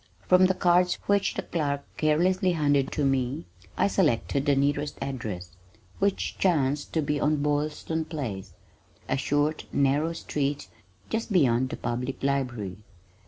From the cards which the clerk carelessly handed to me I selected the nearest address, which chanced to be on Boylston Place, a short narrow street just beyond the Public Library.